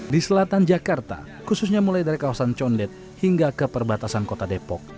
di selatan jakarta khususnya mulai dari kawasan condet hingga ke perbatasan kota depok